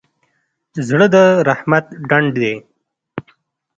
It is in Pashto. زړه د رحمت ډنډ دی.